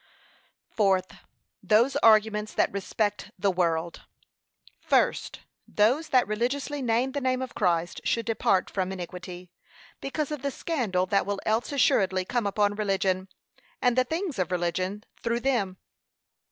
FOURTH. [Those arguments that respect THE WORLD.] First, Those that religiously name the name of Christ should depart from iniquity, because of the scandal that will else assuredly come upon religion, and the things of religion, through them.